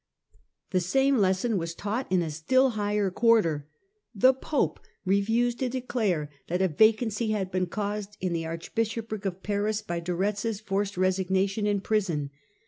The same lesson was taught in a still higher quarter. The Pope refused to declare that a vacancy had been caused in the archbishopric of Paris by De Rctz's forced resignation in prison.